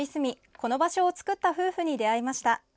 この場所を作った夫婦に出会いました。